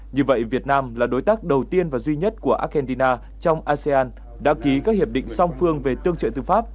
như vậy việt nam là đối tác đầu tiên và duy nhất của argentina trong asean đã ký các hiệp định song phương về tương trợ tư pháp